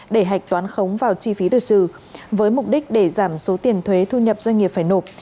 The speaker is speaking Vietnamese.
để hạch toán khống vào chi phí được trừ với mục đích để giảm số tiền thuế thu nhập doanh nghiệp phải nộp